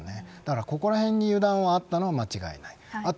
ここらへんに油断があったのは間違いない。